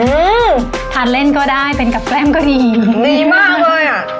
อืมทานเล่นก็ได้เป็นกับแกล้มก็ดีดีมากเลยอ่ะ